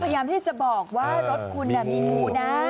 พยายามที่จะบอกว่ารถคุณมีงูนะ